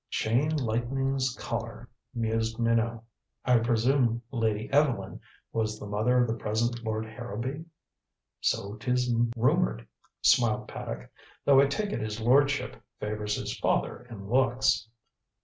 "Chain Lightning's Collar," mused Minot. "I presume Lady Evelyn was the mother of the present Lord Harrowby?" "So 'tis rumored," smiled Paddock. "Though I take it his lordship favors his father in looks."